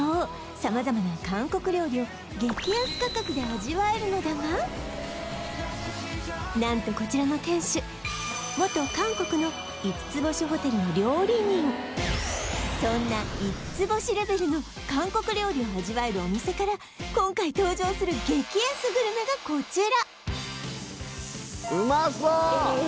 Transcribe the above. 様々な韓国料理を激安価格で味わえるのだが何とこちらの店主元韓国のそんな五つ星レベルの韓国料理を味わえるお店から今回登場する激安グルメがこちら！